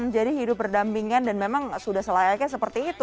jadi hidup berdampingan dan memang sudah selayaknya seperti itu